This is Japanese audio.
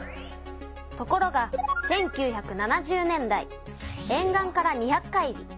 ところが１９７０年代えん岸から２００海里